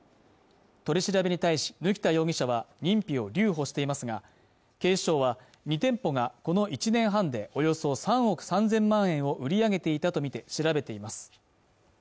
取り調べに対し貫田容疑者は認否を留保していますが警視庁は２店舗がこの１年半でおよそ３億３０００万円を売り上げていたとみて調べています